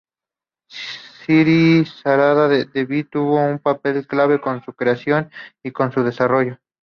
Sri Sarada Devi tuvo un papel clave con su creación y con su desarrollo.